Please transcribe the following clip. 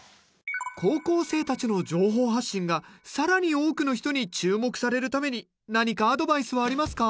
高校生たちの情報発信が更に多くの人に注目されるために何かアドバイスはありますか？